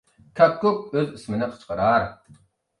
كاككۇك ئۆز ئىسمىنى قىچقىرار.